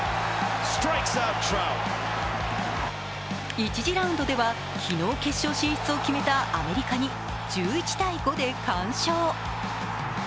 １次ラウンドでは昨日、決勝進出を決めたアメリカに１１−５で完勝。